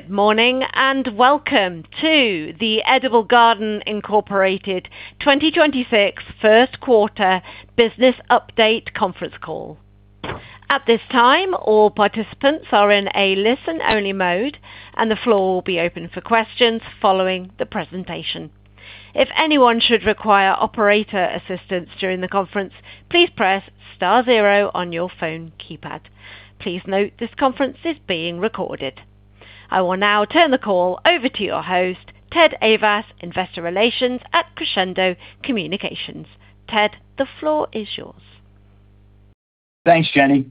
Good morning, welcome to the Edible Garden Incorporated 2026 first quarter business update conference call. At this time, all participants are in a listen-only mode, and the floor will be open for questions following the presentation. If anyone should require operator assistance during the conference, please press star zero on your phone keypad. Please note this conference is being recorded. I will now turn the call over to your host, Ted Ayvas, Investor Relations at Crescendo Communications. Ted, the floor is yours. Thanks, Jenny.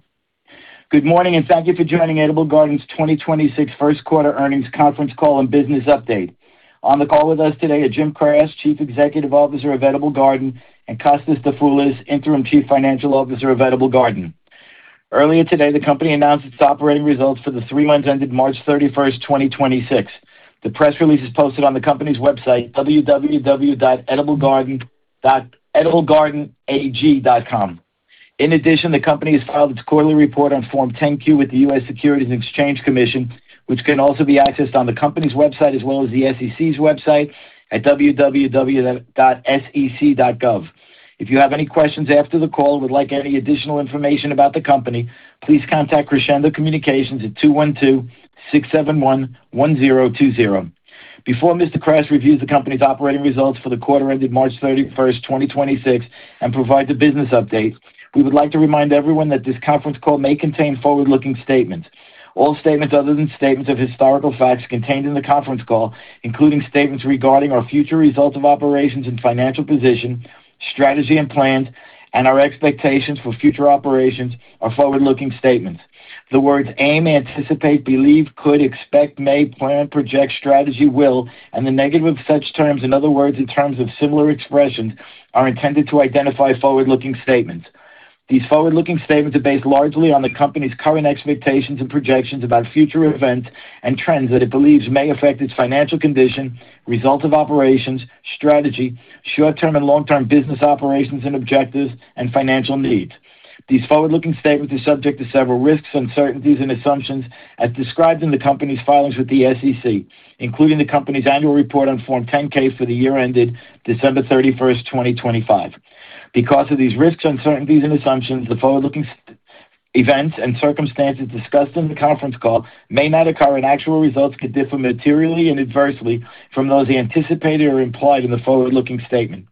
Good morning, and thank you for joining Edible Garden's 2026 first quarter earnings conference call and business update. On the call with us today are Jim Kras, Chief Executive Officer of Edible Garden, and Kostas Dafoulas, Interim Chief Financial Officer of Edible Garden. Earlier today, the company announced its operating results for the three months ended March 31st, 2026. The press release is posted on the company's website, ediblegardenag.com. In addition, the company has filed its quarterly report on Form 10-Q with the U.S. Securities and Exchange Commission, which can also be accessed on the company's website as well as the SEC's website at sec.gov. If you have any questions after the call or would like any additional information about the company, please contact Crescendo Communications at 212-671-1020. Before Mr. Kras reviews the company's operating results for the quarter ended March 31st, 2026 and provides a business update, we would like to remind everyone that this conference call may contain forward-looking statements. All statements other than statements of historical facts contained in the conference call, including statements regarding our future results of operations and financial position, strategy and plans, and our expectations for future operations are forward-looking statements. The words aim, anticipate, believe, could, expect, may, plan, project, strategy, will, and the negative of such terms. In other words, in terms of similar expressions, are intended to identify forward-looking statements. These forward-looking statements are based largely on the company's current expectations and projections about future events and trends that it believes may affect its financial condition, results of operations, strategy, short-term and long-term business operations and objectives, and financial needs. These forward-looking statements are subject to several risks, uncertainties and assumptions as described in the company's filings with the SEC, including the company's annual report on Form 10-K for the year ended December 31st, 2025. Because of these risks, uncertainties and assumptions, the forward-looking events and circumstances discussed in the conference call may not occur, and actual results could differ materially and adversely from those anticipated or implied in the forward-looking statement.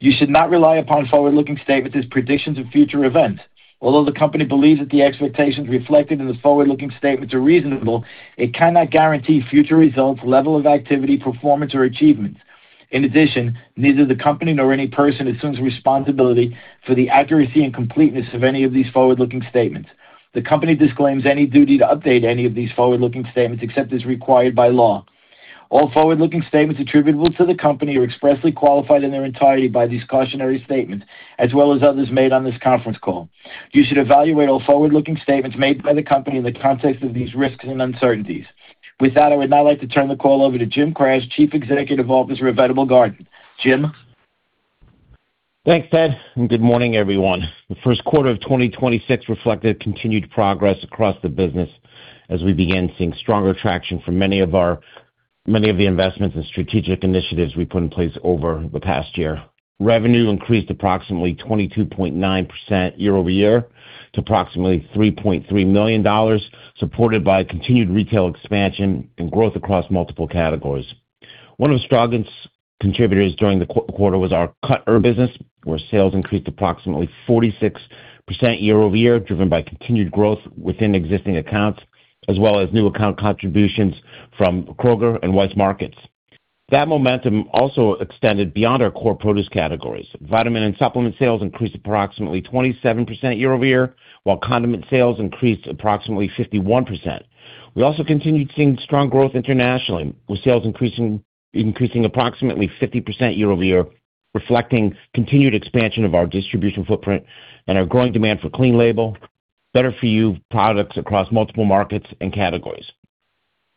You should not rely upon forward-looking statements as predictions of future events. Although the company believes that the expectations reflected in the forward-looking statements are reasonable, it cannot guarantee future results, level of activity, performance, or achievements. In addition, neither the company nor any person assumes responsibility for the accuracy and completeness of any of these forward-looking statements. The company disclaims any duty to update any of these forward-looking statements except as required by law. All forward-looking statements attributable to the company are expressly qualified in their entirety by these cautionary statements as well as others made on this conference call. You should evaluate all forward-looking statements made by the company in the context of these risks and uncertainties. With that, I would now like to turn the call over to Jim Kras, Chief Executive Officer of Edible Garden. Jim. Thanks, Ted. Good morning, everyone. The first quarter of 2026 reflected continued progress across the business as we began seeing stronger traction for many of the investments and strategic initiatives we put in place over the past year. Revenue increased approximately 22.9% year-over-year to approximately $3.3 million, supported by continued retail expansion and growth across multiple categories. One of the strongest contributors during the quarter was our cut herb business, where sales increased approximately 46% year-over-year, driven by continued growth within existing accounts as well as new account contributions from Kroger and Weis Markets. That momentum also extended beyond our core produce categories. Vitamin and supplement sales increased approximately 27% year-over-year, while condiment sales increased approximately 51%. We also continued seeing strong growth internationally, with sales increasing approximately 50% year-over-year, reflecting continued expansion of our distribution footprint and our growing demand for clean label, better for you products across multiple markets and categories.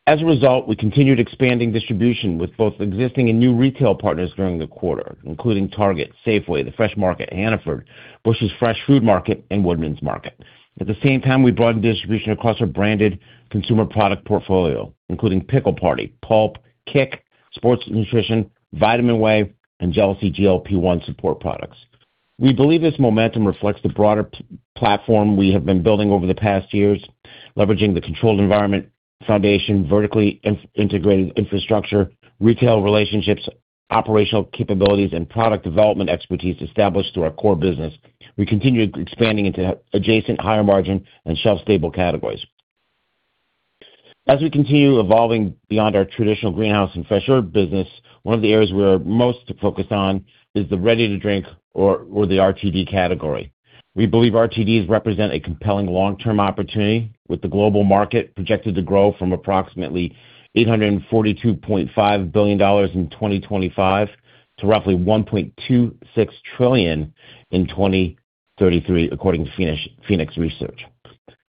As a result, we continued expanding distribution with both existing and new retail partners during the quarter, including Target, Safeway, The Fresh Market, Hannaford, Busch's Fresh Food Market, and Woodman's Market. At the same time, we broadened distribution across our branded consumer product portfolio, including Pickle Party, Pulp, Kick. Sports Nutrition, Vitamin Whey, and JEALOUSY GLP-1 support products. We believe this momentum reflects the broader platform we have been building over the past years, leveraging the controlled environment, foundation, vertically integrated infrastructure, retail relationships, operational capabilities, and product development expertise established through our core business. We continue expanding into adjacent higher margin and shelf-stable categories. As we continue evolving beyond our traditional greenhouse and fresh herb business, one of the areas we are most focused on is the ready to drink or the RTD category. We believe RTDs represent a compelling long-term opportunity with the global market projected to grow from approximately $842.5 billion in 2025 to roughly $1.26 trillion in 2033 according to Phoenix Research.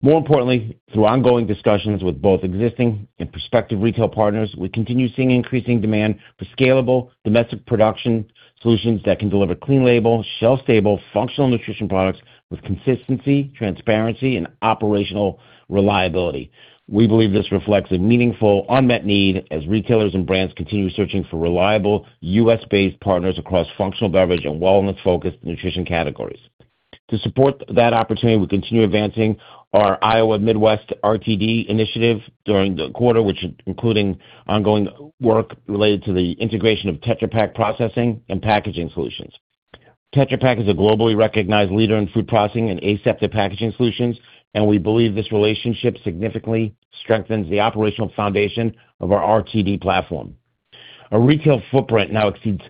Through ongoing discussions with both existing and prospective retail partners, we continue seeing increasing demand for scalable domestic production solutions that can deliver clean label, shelf-stable, functional nutrition products with consistency, transparency, and operational reliability. We believe this reflects a meaningful unmet need as retailers and brands continue searching for reliable U.S.-based partners across functional beverage and wellness-focused nutrition categories. To support that opportunity, we continue advancing our Iowa Midwest RTD initiative during the quarter, which including ongoing work related to the integration of Tetra Pak processing and packaging solutions. Tetra Pak is a globally recognized leader in food processing and aseptic packaging solutions, and we believe this relationship significantly strengthens the operational foundation of our RTD platform. Our retail footprint now exceeds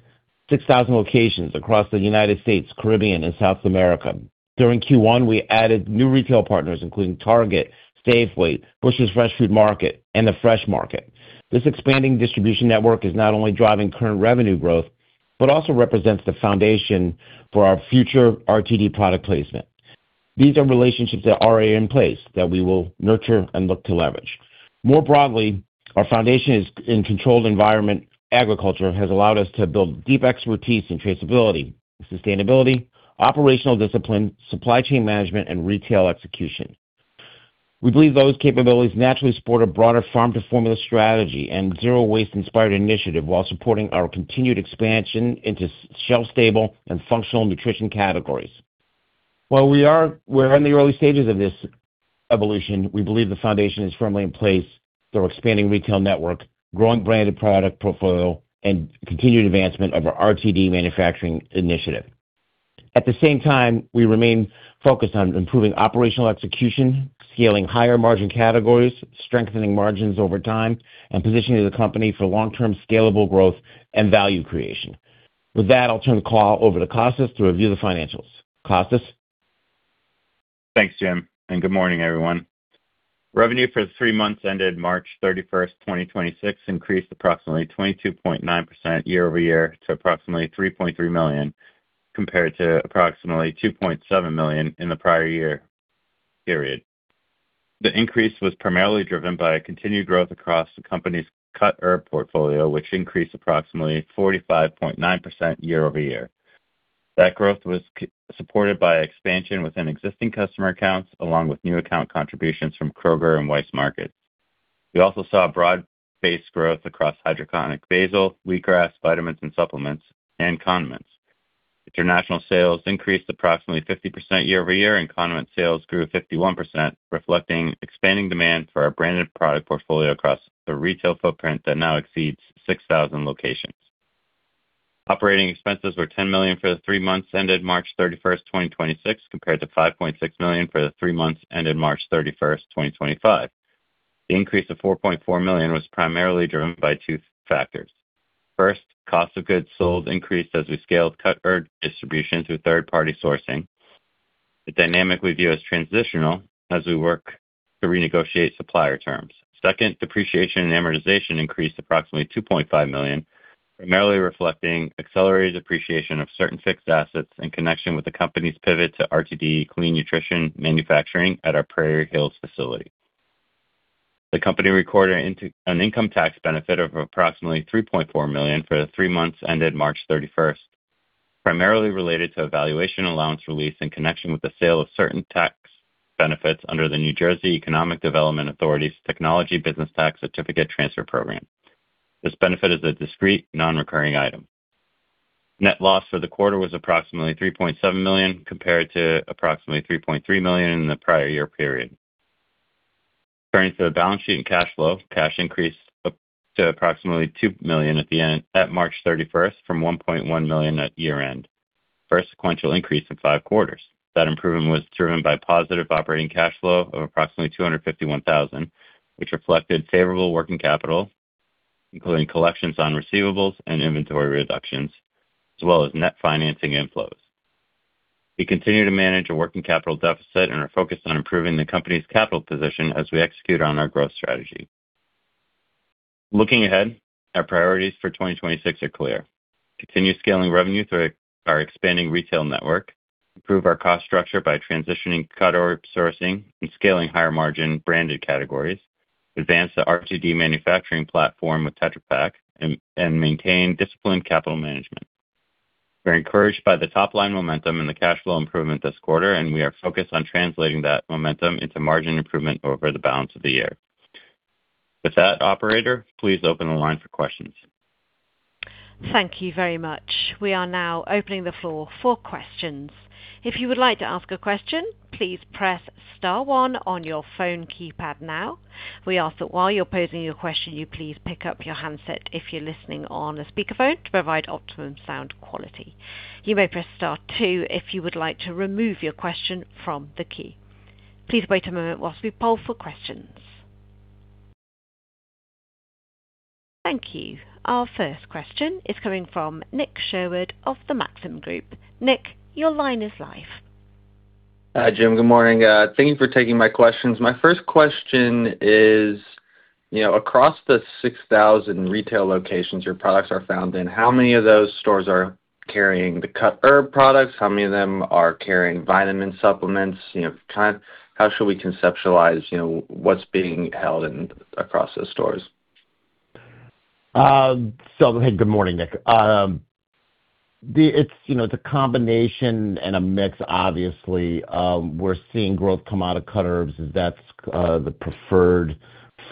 6,000 locations across the United States, Caribbean, and South America. During Q1, we added new retail partners including Target, Safeway, Busch's Fresh Food Market, and The Fresh Market. This expanding distribution network is not only driving current revenue growth, but also represents the foundation for our future RTD product placement. These are relationships that are already in place that we will nurture and look to leverage. More broadly, our foundation is in controlled environment agriculture has allowed us to build deep expertise in traceability, sustainability, operational discipline, supply chain management, and retail execution. We believe those capabilities naturally support a broader Farm-to-Formula strategy and Zero-Waste inspired initiative while supporting our continued expansion into shelf stable and functional nutrition categories. While we're in the early stages of this evolution, we believe the foundation is firmly in place through expanding retail network, growing branded product portfolio, and continued advancement of our RTD manufacturing initiative. At the same time, we remain focused on improving operational execution, scaling higher margin categories, strengthening margins over time, and positioning the company for long-term scalable growth and value creation. With that, I'll turn the call over to Kostas to review the financials. Kostas? Thanks, Jim. Good morning, everyone. Revenue for the three months ended March 31st, 2026 increased approximately 22.9% year-over-year to approximately $3.3 million, compared to approximately $2.7 million in the prior year period. The increase was primarily driven by continued growth across the company's Cut Herb portfolio, which increased approximately 45.9% year-over-year. That growth was supported by expansion within existing customer accounts, along with new account contributions from Kroger and Weis Markets. We also saw broad-based growth across Hydro Basil, wheatgrass, vitamins and supplements, and condiments. International sales increased approximately 50% year-over-year, and condiment sales grew 51%, reflecting expanding demand for our branded product portfolio across the retail footprint that now exceeds 6,000 locations. Operating expenses were $10 million for the three months ended March 31st, 2026, compared to $5.6 million for the three months ended March 31st, 2025. The increase of $4.4 million was primarily driven by two factors. First, cost of goods sold increased as we scaled Cut Herb distribution through third-party sourcing. It dynamically view as transitional as we work to renegotiate supplier terms. Second, depreciation and amortization increased approximately $2.5 million, primarily reflecting accelerated depreciation of certain fixed assets in connection with the company's pivot to RTD clean nutrition manufacturing at our Prairie Hills facility. The company recorded an income tax benefit of approximately $3.4 million for the three months ended March 31, primarily related to a valuation allowance release in connection with the sale of certain tax benefits under the New Jersey Economic Development Authority's Technology Business Tax Certificate Transfer Program. This benefit is a discrete non-recurring item. Net loss for the quarter was approximately $3.7 million, compared to approximately $3.3 million in the prior year period. Turning to the balance sheet and cash flow, cash increased up to approximately $2 million at March 31 from $1.1 million at year-end. First sequential increase in five quarters. That improvement was driven by positive operating cash flow of approximately $251,000, which reflected favorable working capital, including collections on receivables and inventory reductions, as well as net financing inflows. We continue to manage a working capital deficit and are focused on improving the company's capital position as we execute on our growth strategy. Looking ahead, our priorities for 2026 are clear. Continue scaling revenue through our expanding retail network. Improve our cost structure by transitioning Cut Herb sourcing and scaling higher margin branded categories. Advance the RTD manufacturing platform with Tetra Pak and maintain disciplined capital management. We're encouraged by the top-line momentum and the cash flow improvement this quarter, and we are focused on translating that momentum into margin improvement over the balance of the year. With that, operator, please open the line for questions. Thank you very much. We are now opening the floor for questions. If you would like to ask a question, please press star one on your phone keypad now. We ask that while you are posing your question, you please pick up your handset if you are listening on a speakerphone to provide optimum sound quality. You may press star two if you would like to remove your question from the queue. Please wait a moment whilst we poll for questions. Thank you. Our first question is coming from Nick Sherwood of the Maxim Group. Nick, your line is live. Hi, Jim. Good morning. Thank you for taking my questions. My first question is, you know, across the 6,000 retail locations your products are found in, how many of those stores are carrying the cut herb products? How many of them are carrying vitamin supplements? You know, how should we conceptualize, you know, what's being held in across those stores? Good morning, Nick. It's, you know, it's a combination and a mix, obviously. We're seeing growth come out of cut herbs. That's the preferred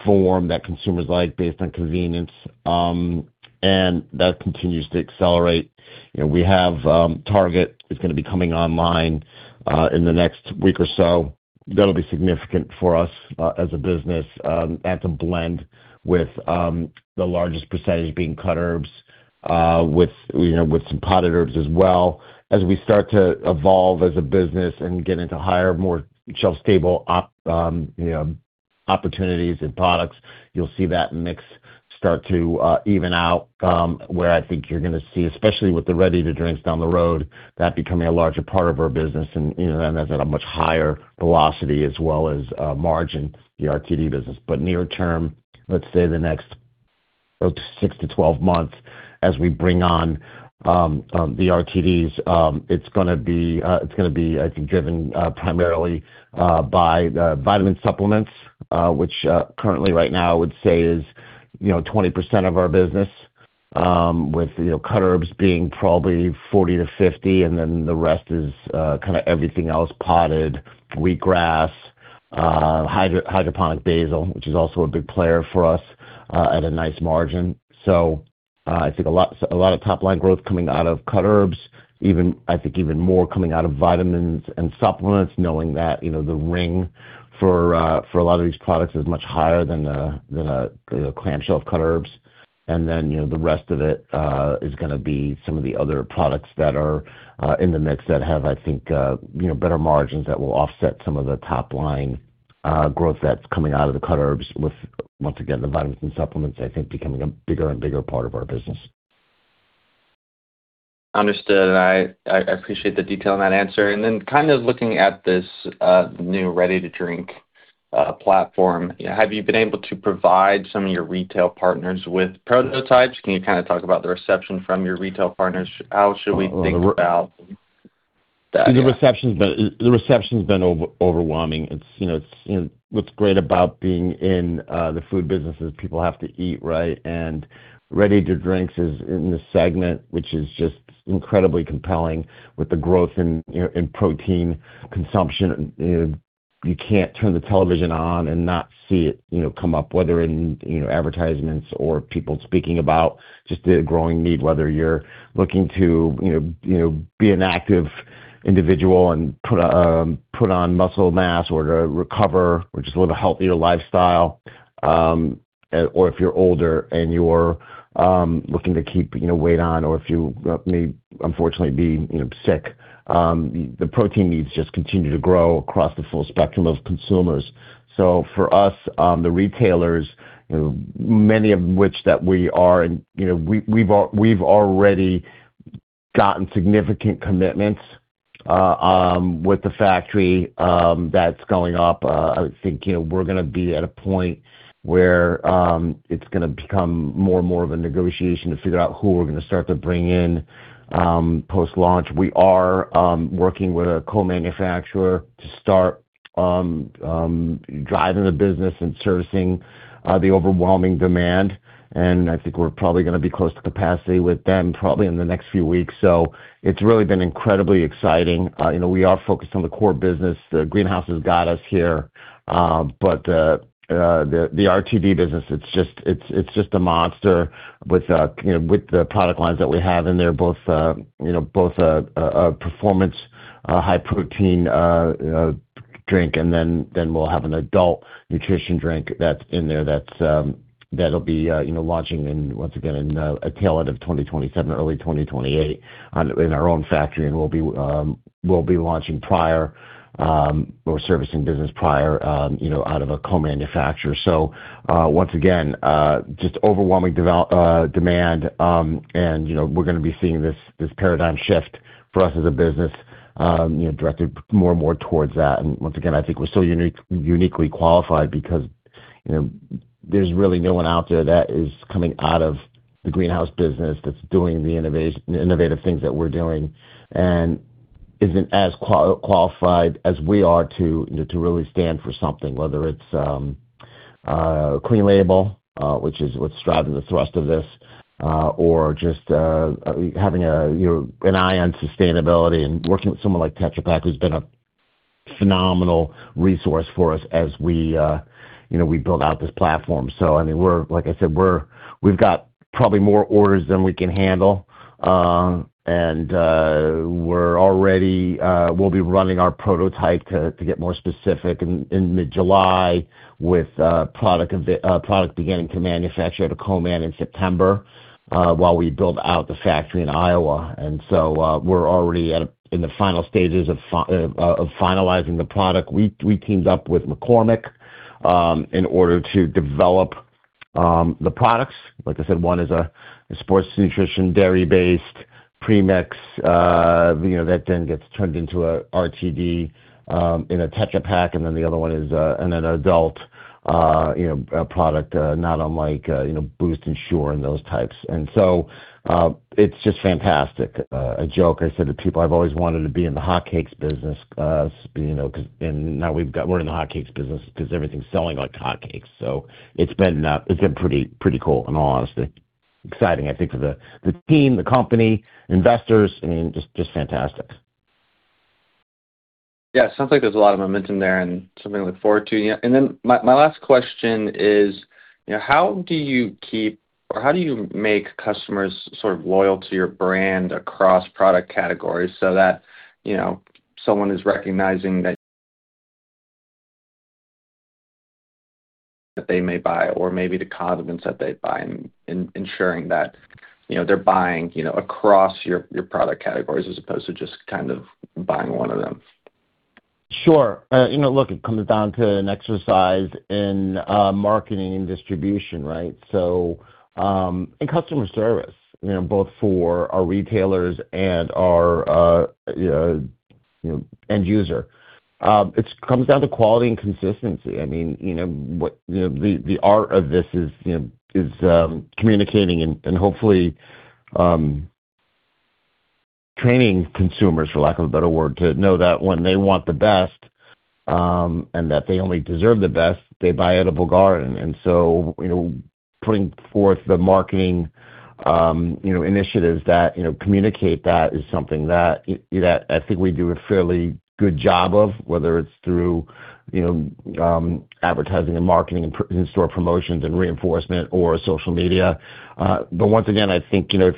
form that consumers like based on convenience. That continues to accelerate. You know, we have Target is gonna be coming online in the next week or so. That'll be significant for us as a business at the blend with the largest percentage being cut herbs, with, you know, with some potted herbs as well. As we start to evolve as a business and get into higher, more shelf-stable, you know, opportunities and products, you'll see that mix start to even out, where I think you're gonna see, especially with the ready-to-drinks down the road, that becoming a larger part of our business and, you know, and that's at a much higher velocity as well as margin, the RTD business. Near term, let's say the next 6-12 months as we bring on the RTDs, it's gonna be, I think, driven primarily by the vitamin supplements, which currently right now I would say is, you know, 20% of our business, with, you know, cut herbs being probably 40-50, and then the rest is kinda everything else, potted, wheatgrass, hydroponic basil, which is also a big player for us at a nice margin. I think a lot of top-line growth coming out of cut herbs, even more coming out of vitamins and supplements, knowing that, you know, the ring for a lot of these products is much higher than the clamshell of cut herbs. You know, the rest of it, is gonna be some of the other products that are, in the mix that have, I think, you know, better margins that will offset some of the top-line, growth that's coming out of the cut herb with, once again, the vitamins and supplements, I think, becoming a bigger and bigger part of our business. Understood. I appreciate the detail in that answer. Kinda looking at this new ready-to-drink platform, have you been able to provide some of your retail partners with prototypes? Can you kinda talk about the reception from your retail partners? How should we think about that, yeah? The reception's been overwhelming. It's, you know, what's great about being in the food business is people have to eat, right? Ready-to-drinks is in the segment which is just incredibly compelling with the growth in, you know, in protein consumption. You know, you can't turn the television on and not see it, you know, come up, whether in, you know, advertisements or people speaking about just the growing need, whether you're looking to, you know, you know, be an active individual and put on muscle mass or to recover or just live a healthier lifestyle, or if you're older and you're looking to keep, you know, weight on or if you may unfortunately be, you know, sick. The protein needs just continue to grow across the full spectrum of consumers. For us, you know, the retailers, many of which that we are in, you know, we've already gotten significant commitments with the factory that's going up. I would think, you know, we're gonna be at a point where it's gonna become more and more of a negotiation to figure out who we're gonna start to bring in post-launch. We are working with a co-manufacturer to start driving the business and servicing the overwhelming demand. I think we're probably gonna be close to capacity with them probably in the next few weeks. It's really been incredibly exciting. You know, we are focused on the core business. The greenhouse has got us here. The RTD business, it's just a monster with, you know, with the product lines that we have in there, both, you know, both a performance, high protein drink, and then we'll have an adult nutrition drink that's in there that's, you know, launching in, once again, in a tail end of 2027, early 2028 in our own factory. We'll be launching prior, or servicing business prior, you know, out of a co-manufacturer. Once again, just overwhelming demand, and, you know, we're gonna be seeing this paradigm shift for us as a business, you know, directed more and more towards that. Once again, I think we're so uniquely qualified because, you know, there's really no one out there that is coming out of the greenhouse business that's doing the innovative things that we're doing and isn't as qualified as we are to, you know, to really stand for something, whether it's clean label, which is what's driving the thrust of this, or just having a, you know, an eye on sustainability and working with someone like Tetra Pak, who's been a phenomenal resource for us as we, you know, we build out this platform. I mean, like I said, we've got probably more orders than we can handle. We'll be running our prototype to get more specific in mid-July with product beginning to manufacture at a co-man in September, while we build out the factory in Iowa. We're already in the final stages of finalizing the product. We teamed up with McCormick in order to develop the products, like I said, one is a sports nutrition dairy-based premix that then gets turned into a RTD in a Tetra Pak, and then the other one is an adult product not unlike Boost Ensure and those types. It's just fantastic. A joke I said to people, I've always wanted to be in the hotcakes business, you know, 'cause we're in the hotcakes business 'cause everything's selling like hotcakes. It's been pretty cool, in all honesty. Exciting, I think, for the team, the company, investors. I mean, just fantastic. Yeah. Sounds like there's a lot of momentum there and something to look forward to. Yeah. My last question is, you know, how do you keep or how do you make customers sort of loyal to your brand across product categories so that, you know, someone is recognizing that they may buy or maybe the condiments that they buy and ensuring that, you know, they're buying, you know, across your product categories as opposed to just kind of buying one of them? Sure. You know, look, it comes down to an exercise in marketing and distribution, right? And customer service, you know, both for our retailers and our, you know, end user. It's comes down to quality and consistency. I mean, you know, what, you know, the art of this is, you know, is communicating and hopefully, training consumers, for lack of a better word, to know that when they want the best, and that they only deserve the best, they buy Edible Garden. Putting forth the marketing, you know, initiatives that, you know, communicate that is something that, you know, I think we do a fairly good job of, whether it's through, you know, advertising and marketing and in store promotions and reinforcement or social media. Once again, I think, you know,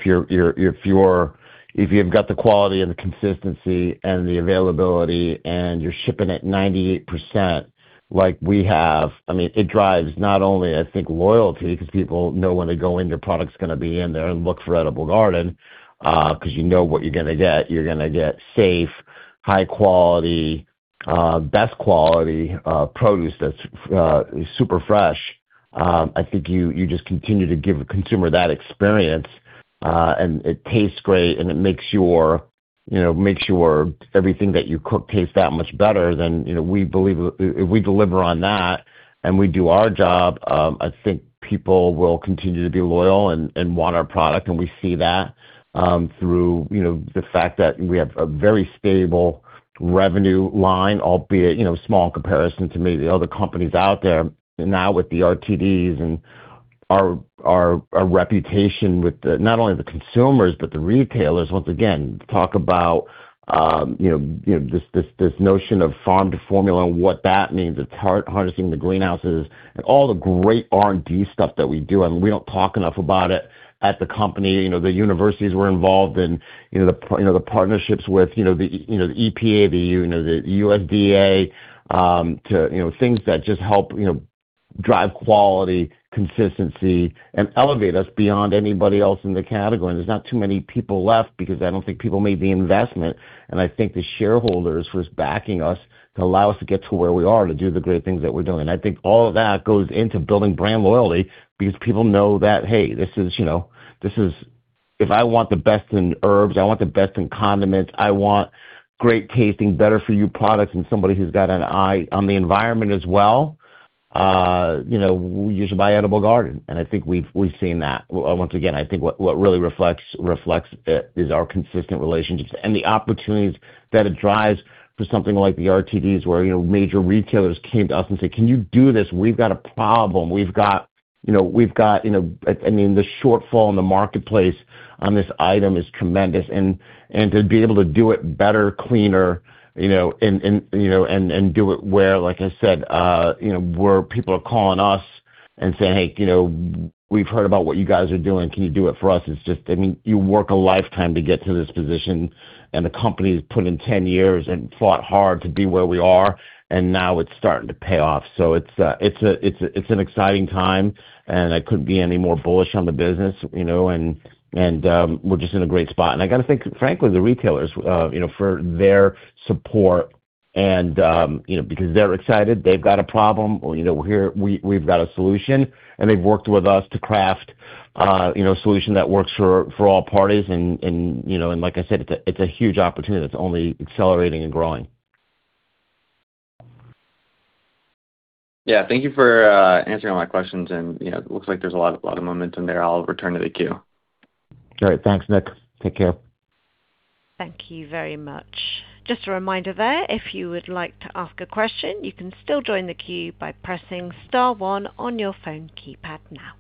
if you've got the quality and the consistency and the availability, and you're shipping at 98% like we have, I mean, it drives not only, I think, loyalty because people know when they go in, your product's gonna be in there and look for Edible Garden, 'cause you know what you're gonna get. You're gonna get safe, high quality, best quality, produce that's super fresh. I think you just continue to give a consumer that experience, and it tastes great, and it makes your everything that you cook taste that much better. We believe if we deliver on that and we do our job, I think people will continue to be loyal and want our product. We see that, through, you know, the fact that we have a very stable revenue line, albeit, you know, small in comparison to many of the other companies out there. With the RTDs and our reputation with the, not only the consumers, but the retailers. Once again, talk about, you know, this notion of Farm-to-Formula and what that means. It's harnessing the greenhouses and all the great R&D stuff that we do, and we don't talk enough about it at the company. You know, the universities we're involved in, the partnerships with the EPA, the USDA, to, you know, things that just help, you know, drive quality, consistency, and elevate us beyond anybody else in the category. There's not too many people left because I don't think people made the investment, and I think the shareholders was backing us to allow us to get to where we are to do the great things that we're doing. I think all of that goes into building brand loyalty because people know that, hey, this is, you know, if I want the best in herbs, I want the best in condiments, I want great tasting, better for you products, and somebody who's got an eye on the environment as well, you know, you should buy Edible Garden. I think we've seen that. Once again, I think what really reflects it is our consistent relationships and the opportunities that it drives for something like the RTDs, where, you know, major retailers came to us and said, "Can you do this? We've got a problem. We've got, you know, I mean, the shortfall in the marketplace on this item is tremendous. To be able to do it better, cleaner, you know, and, you know, and do it where, like I said, you know, where people are calling us and saying, "Hey, you know, we've heard about what you guys are doing. Can you do it for us?" It's just, I mean, you work a lifetime to get to this position, and the company's put in 10 years and fought hard to be where we are, and now it's starting to pay off. It's a, it's an exciting time, and I couldn't be any more bullish on the business, you know, and we're just in a great spot. I gotta thank, frankly, the retailers, you know, for their support and, you know, because they're excited. They've got a problem. Well, you know, we're here. We've got a solution, and they've worked with us to craft, you know, a solution that works for all parties, and, you know, like I said, it's a huge opportunity that's only accelerating and growing. Yeah. Thank you for answering all my questions and, you know, looks like there's a lot of momentum there. I'll return to the queue. All right. Thanks, Nick. Take care. Thank you very much. Just a reminder there, if you would like to ask a question, you can still join the queue by pressing star one on your phone keypad now.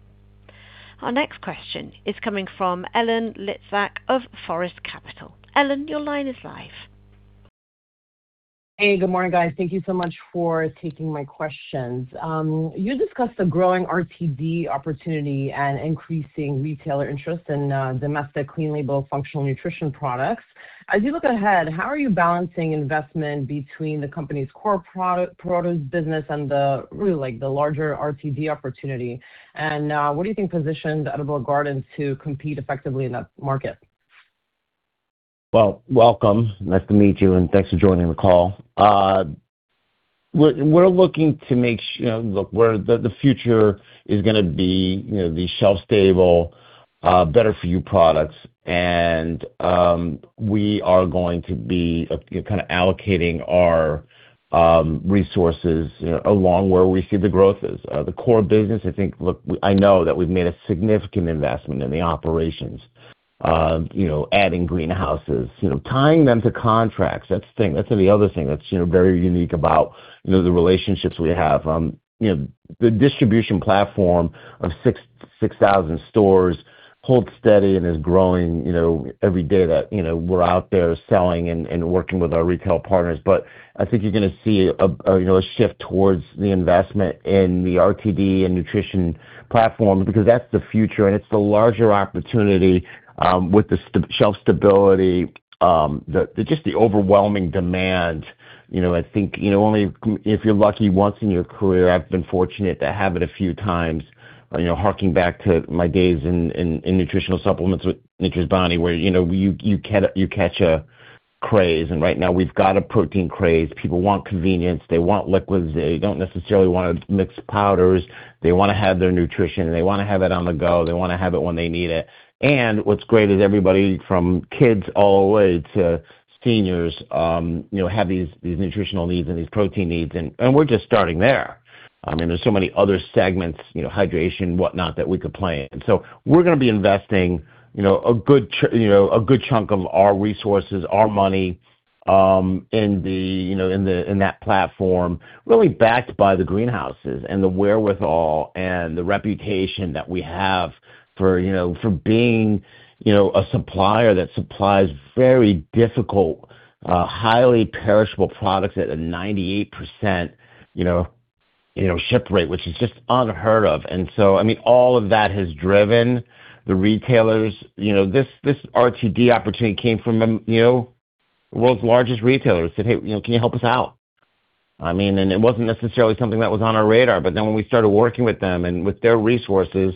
Our next question is coming from [Ellen Litvak] of Forest Capital. Ellen, your line is live. Hey, good morning, guys. Thank you so much for taking my questions. You discussed the growing RTD opportunity and increasing retailer interest in domestic clean label functional nutrition products. As you look ahead, how are you balancing investment between the company's core produce business and the, really, like, the larger RTD opportunity? What do you think positions Edible Garden to compete effectively in that market? Well, welcome. Nice to meet you, and thanks for joining the call. We're looking to, you know, look, the future is gonna be, you know, the shelf-stable, better for you products. We are going to be, kinda allocating our resources, you know, along where we see the growth is. The core business, I think, look, I know that we've made a significant investment in the operations, you know, adding greenhouses, you know, tying them to contracts. That's the thing. That's the other thing that's, you know, very unique about, you know, the relationships we have. You know, the distribution platform of 6,000 stores holds steady and is growing, you know, every day that, you know, we're out there selling and working with our retail partners. I think you're gonna see a shift towards the investment in the RTD and nutrition platform because that's the future, and it's the larger opportunity, with the shelf stability, the overwhelming demand. You know, I think, you know, only if you're lucky once in your career, I've been fortunate to have it a few times. You know, harking back to my days in nutritional supplements with Nature's Bounty, where, you know, you catch a craze. Right now, we've got a protein craze. People want convenience. They want liquids. They don't necessarily wanna mix powders. They wanna have their nutrition, and they wanna have it on the go. They wanna have it when they need it. What's great is everybody from kids all the way to seniors, you know, have these nutritional needs and these protein needs. We're just starting there. I mean, there's so many other segments, you know, hydration, whatnot, that we could play in. We're gonna be investing, you know, a good chunk of our resources, our money, in that platform, really backed by the greenhouses and the wherewithal and the reputation that we have for, you know, for being, you know, a supplier that supplies very difficult, highly perishable products at a 98% ship rate, which is just unheard of. I mean, all of that has driven the retailers. This RTD opportunity came from a world's largest retailer said, "Hey, you know, can you help us out?" It wasn't necessarily something that was on our radar. When we started working with them and with their resources,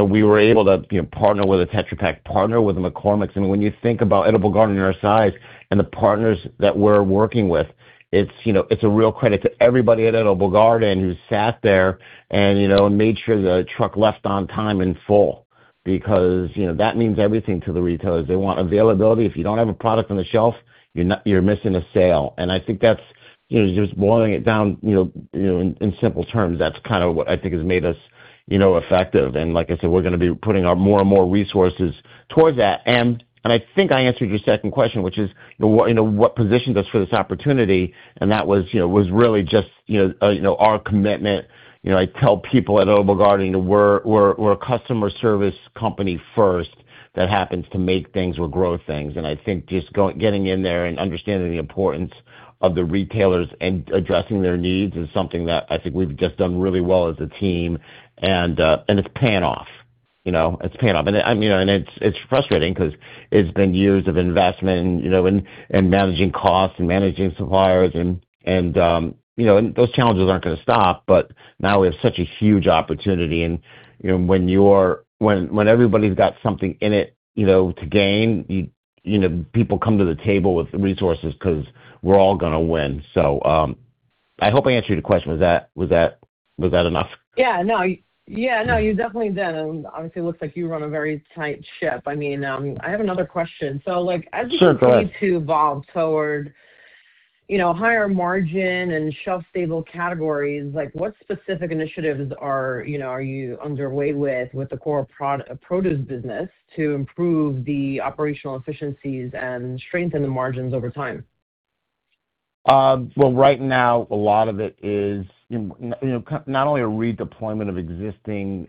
we were able to partner with a Tetra Pak, partner with a McCormick's. When you think about Edible Garden our size and the partners that we're working with, it's a real credit to everybody at Edible Garden who sat there and made sure the truck left on time in full because that means everything to the retailers. They want availability. If you don't have a product on the shelf, you're missing a sale. I think that's, you know, just boiling it down, in simple terms, that's kind of what I think has made us, you know, effective. Like I said, we're gonna be putting our more and more resources towards that. I think I answered your second question, which is, you know, what positioned us for this opportunity, and that was, you know, really just, you know, our commitment. You know, I tell people at Edible Garden, we're a customer service company first that happens to make things or grow things. I think just getting in there and understanding the importance of the retailers and addressing their needs is something that I think we've just done really well as a team. It's paying off. You know. It's paying off. I mean, and it's frustrating 'cause it's been years of investment and, you know, and managing costs and managing suppliers and, you know, and those challenges aren't gonna stop. Now we have such a huge opportunity. You know, when everybody's got something in it, you know, to gain, you know, people come to the table with resources 'cause we're all gonna win. I hope I answered your question. Was that enough? Yeah, no. Yeah, no, you definitely did. Obviously it looks like you run a very tight ship. I mean, I have another question. Sure, go ahead. As you continue to evolve toward, you know, higher margin and shelf-stable categories, like what specific initiatives are, you know, are you underway with the core produce business to improve the operational efficiencies and strengthen the margins over time? Well, right now, a lot of it is, you know, not only a redeployment of existing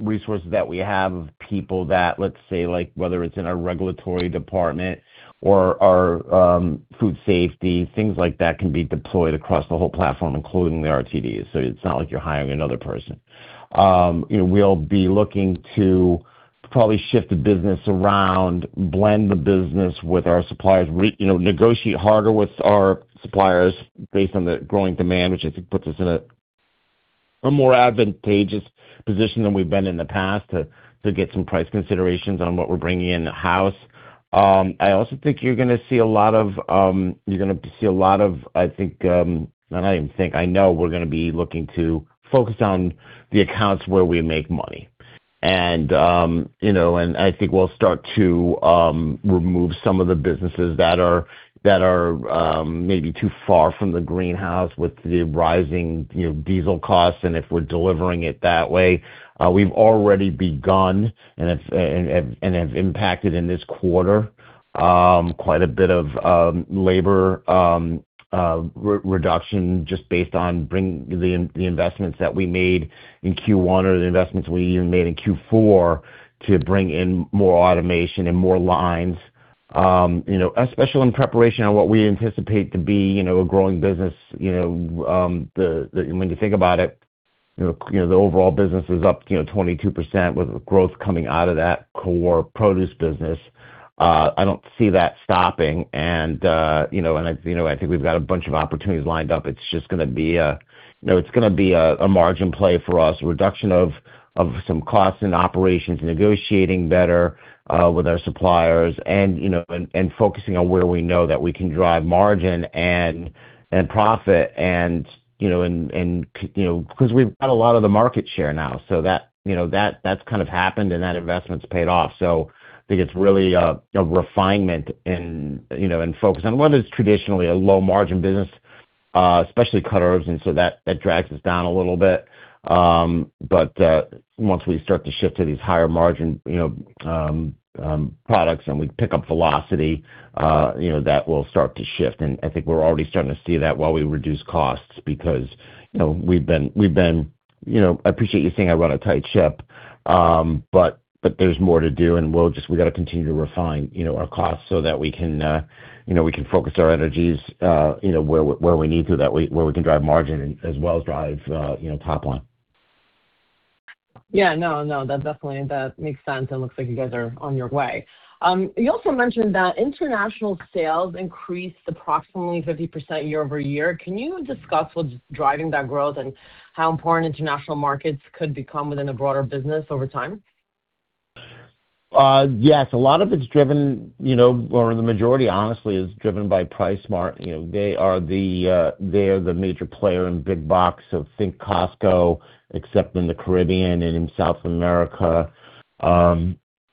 resources that we have of people that, let's say, like whether it's in our regulatory department or our food safety, things like that can be deployed across the whole platform, including the RTDs. It's not like you're hiring another person. You know, we'll be looking to probably shift the business around, blend the business with our suppliers, you know, negotiate harder with our suppliers based on the growing demand, which I think puts us in a more advantageous position than we've been in the past to get some price considerations on what we're bringing in the house. I also think you're gonna see a lot of, I think. I don't even think I know we're gonna be looking to focus on the accounts where we make money. I think we'll start to remove some of the businesses that are maybe too far from the greenhouse with the rising, you know, diesel costs and if we're delivering it that way. We've already begun and it's and have impacted in this quarter, quite a bit of labor re-reduction just based on the investments that we made in Q1 or the investments we even made in Q4 to bring in more automation and more lines. You know, especially in preparation on what we anticipate to be, you know, a growing business, you know, when you think about it. You know, the overall business is up, you know, 22% with growth coming out of that core produce business. I don't see that stopping and, you know, and I think we've got a bunch of opportunities lined up. It's just gonna be a, you know, it's gonna be a margin play for us, a reduction of some costs in operations, negotiating better with our suppliers and, you know, and focusing on where we know that we can drive margin and profit and, you know, 'cause we've got a lot of the market share now, so that, you know, that's kind of happened and that investment's paid off. I think it's really a refinement and, you know, focus. Whether it's traditionally a low margin business, especially cut herbs, and so that drags us down a little bit. Once we start to shift to these higher margin, you know, products and we pick up velocity, you know, that will start to shift. I think we're already starting to see that while we reduce costs because, you know, we've been, you know I appreciate you saying I run a tight ship, but there's more to do, we gotta continue to refine, you know, our costs so that we can, you know, we can focus our energies, you know, where we need to, where we can drive margin as well as drive, you know, top line. Yeah. No, no, that definitely, that makes sense and looks like you guys are on your way. You also mentioned that international sales increased approximately 50% year-over-year. Can you discuss what's driving that growth and how important international markets could become within the broader business over time? Yes. A lot of it's driven, you know, or the majority honestly is driven by PriceSmart. You know, they are the, they are the major player in big box, so think Costco, except in the Caribbean and in South America.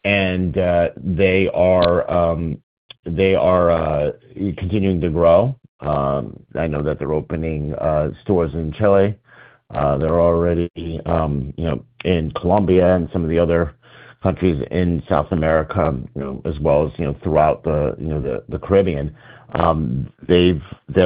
They are, they are continuing to grow. I know that they're opening, stores in Chile. They're already, you know, in Colombia and some of the other countries in South America, you know, as well as, you know, throughout the, you know, the Caribbean. They're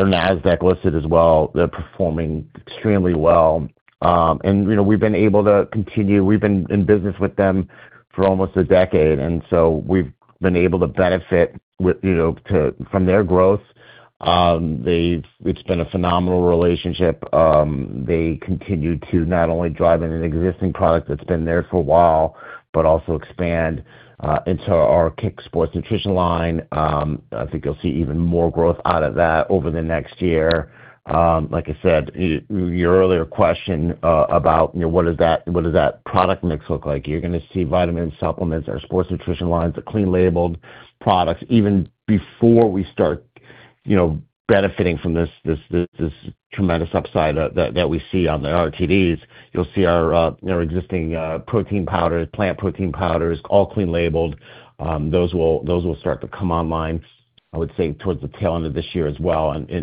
NASDAQ listed as well. They're performing extremely well. You know, we've been able to continue. We've been in business with them for almost a decade, and so we've been able to benefit with, you know, to, from their growth. It's been a phenomenal relationship. They continue to not only drive an existing product that's been there for a while, but also expand into our Kick. Sports Nutrition line. I think you'll see even more growth out of that over the next year. Like I said, your earlier question about, you know, what does that product mix look like? You're gonna see vitamin supplements, our sports nutrition lines, the clean labeled products even before we start, you know, benefiting from this tremendous upside that we see on the RTDs. You'll see our, you know, existing protein powders, plant protein powders, all clean labeled. Those will start to come online, I would say, towards the tail end of this year as well, and you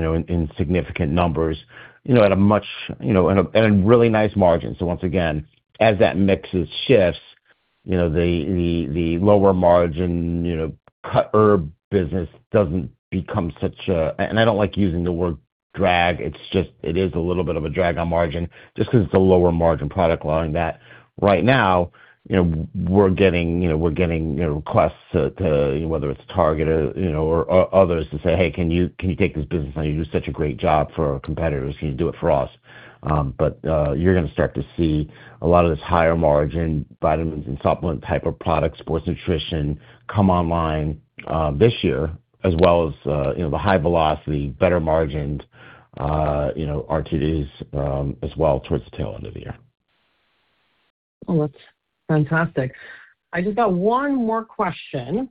know, in significant numbers, you know, at a much, you know, and a really nice margin. Once again, as that mixes shifts, you know, the lower margin, you know, cut herb business doesn't become such a. I don't like using the word drag. It's just, it is a little bit of a drag on margin just 'cause it's a lower margin product line that right now, you know, we're getting, you know, requests to, you know, whether it's Target or, you know, or others to say, "Hey, can you take this business line? You do such a great job for our competitors. Can you do it for us?" You're gonna start to see a lot of this higher margin vitamins and supplement type of products, sports nutrition come online this year, as well as, you know, the high velocity, better margined, you know, RTDs as well towards the tail end of the year. Well, that's fantastic. I just got one more question.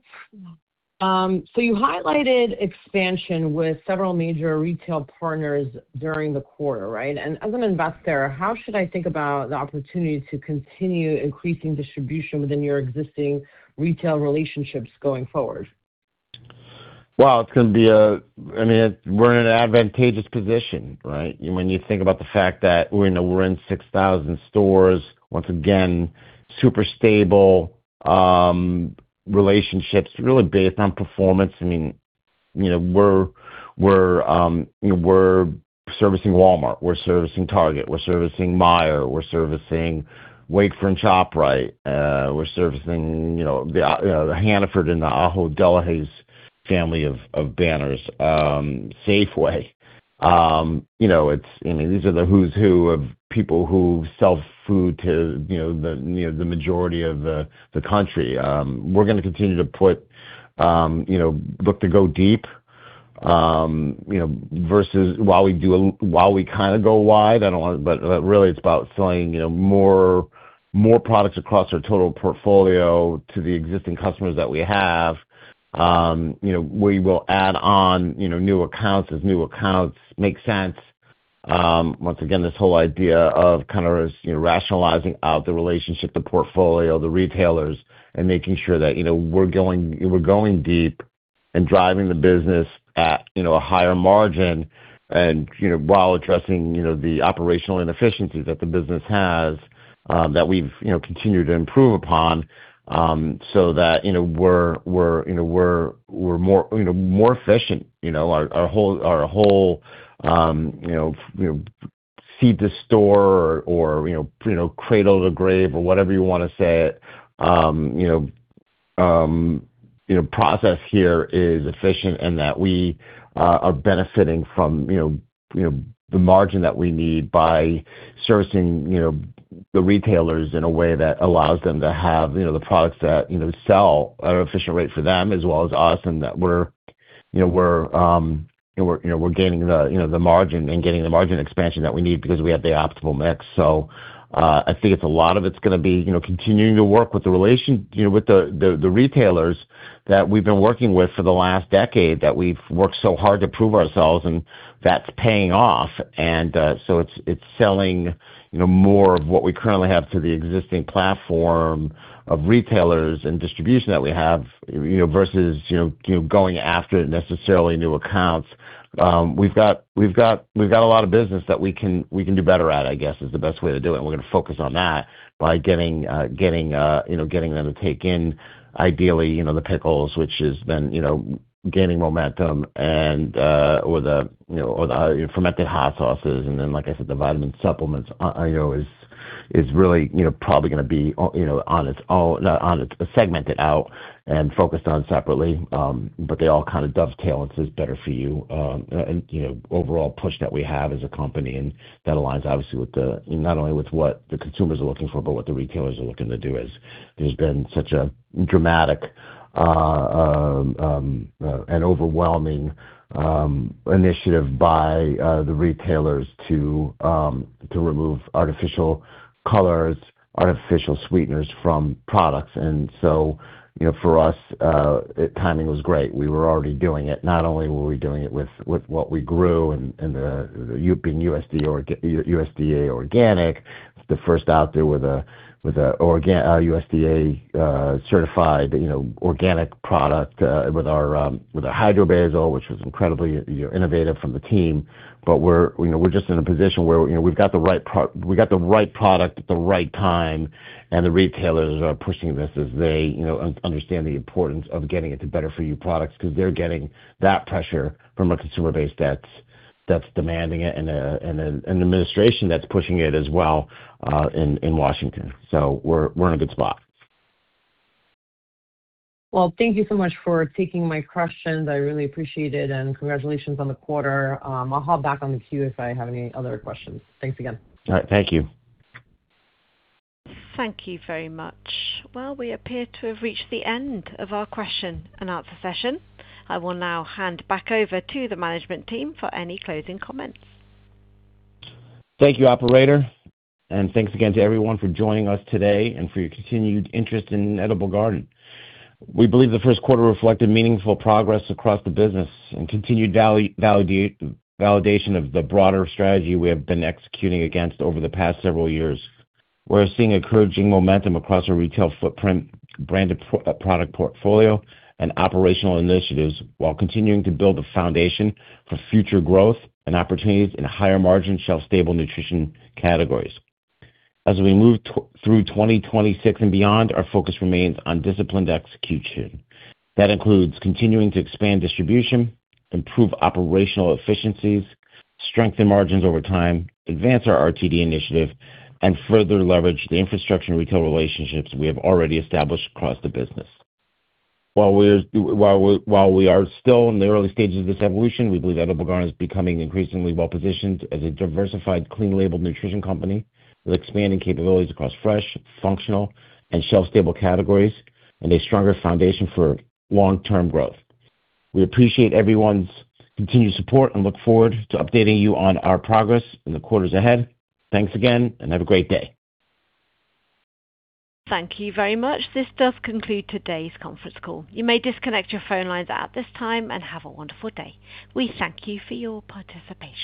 You highlighted expansion with several major retail partners during the quarter, right? As an investor, how should I think about the opportunity to continue increasing distribution within your existing retail relationships going forward? Well, it's gonna be, I mean, we're in an advantageous position, right? When you think about the fact that we're in 6,000 stores. Once again, super stable relationships really based on performance. I mean, you know, we're servicing Walmart, we're servicing Target, we're servicing Meijer, we're servicing Wakefern ShopRite, we're servicing, you know, the Hannaford and the Ahold Delhaize family of banners, Safeway. You know, it's, I mean, these are the who's who of people who sell food to, you know, the majority of the country. We're gonna continue to put, you know, look to go deep, you know, versus while we kind of go wide. Really it's about selling, you know, more, more products across our total portfolio to the existing customers that we have. We will add on, you know, new accounts as new accounts make sense. Once again, this whole idea of kind of, as you know, rationalizing out the relationship, the portfolio, the retailers, and making sure that, you know, we're going deep and driving the business at, you know, a higher margin and, you know, while addressing, you know, the operational inefficiencies that the business has, that we've, you know, continued to improve upon, so that, you know, we're, you know, we're more, you know, more efficient. You know, our whole, you know, seed to store or, you know, cradle to grave or whatever you wanna say it, you know, process here is efficient and that we are benefiting from, you know, the margin that we need by servicing, you know, the retailers in a way that allows them to have, you know, the products that sell at an efficient rate for them as well as us, and that we're, you know, gaining the, you know, margin and getting the margin expansion that we need because we have the optimal mix. I think it's a lot of it's gonna be, you know, continuing to work with the relation, you know, with the retailers that we've been working with for the last decade that we've worked so hard to prove ourselves, and that's paying off. It's selling, you know, more of what we currently have through the existing platform of retailers and distribution that we have, you know, versus, you know, going after necessarily new accounts. We've got a lot of business that we can do better at, I guess, is the best way to do it. We're gonna focus on that by getting, you know, getting them to take in ideally, you know, the pickles, which has been, you know, gaining momentum and, or the, you know, or the fermented hot sauces. Then, like I said, the vitamin supplements, you know, is really, you know, probably gonna be you know, on its own, not on its own, segmented out and focused on separately. But they all kind of dovetail into this better for you, and, you know, overall push that we have as a company and that aligns obviously with the, not only with what the consumers are looking for, but what the retailers are looking to do as there's been such a dramatic, an overwhelming initiative by the retailers to remove artificial colors, artificial sweeteners from products. You know, for us, timing was great. We were already doing it. Not only were we doing it with what we grew and, being USDA Organic, the first out there with a USDA certified, you know, organic product, with our Hydro Basil, which was incredibly, you know, innovative from the team. We're, you know, we're just in a position where, you know, we've got the right product at the right time, and the retailers are pushing this as they, you know, understand the importance of getting it to better for you products 'cause they're getting that pressure from a consumer base that's demanding it and an administration that's pushing it as well in Washington. We're, we're in a good spot. Well, thank you so much for taking my questions. I really appreciate it, and congratulations on the quarter. I'll hop back on the queue if I have any other questions. Thanks again. All right. Thank you. Thank you very much. Well, we appear to have reached the end of our question-and-answer session. I will now hand back over to the management team for any closing comments. Thank you, operator. Thanks again to everyone for joining us today and for your continued interest in Edible Garden. We believe the first quarter reflected meaningful progress across the business and continued validation of the broader strategy we have been executing against over the past several years. We're seeing encouraging momentum across our retail footprint, branded product portfolio, and operational initiatives while continuing to build a foundation for future growth and opportunities in higher margin, shelf-stable nutrition categories. As we move through 2026 and beyond, our focus remains on disciplined execution. That includes continuing to expand distribution, improve operational efficiencies, strengthen margins over time, advance our RTD initiative, and further leverage the infrastructure and retail relationships we have already established across the business. While we are still in the early stages of this evolution, we believe Edible Garden is becoming increasingly well-positioned as a diversified, clean label nutrition company with expanding capabilities across fresh, functional, and shelf-stable categories and a stronger foundation for long-term growth. We appreciate everyone's continued support and look forward to updating you on our progress in the quarters ahead. Thanks again, and have a great day. Thank you very much. This does conclude today's conference call. You may disconnect your phone lines at this time and have a wonderful day. We thank you for your participation.